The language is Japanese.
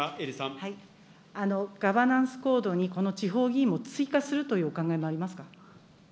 ガバナンス・コードに、この地方議員も追加するというお考えもありますか。